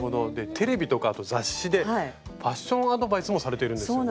テレビとか雑誌でファッションアドバイスもされているんですよね。